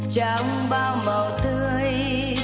trong bao màu tươi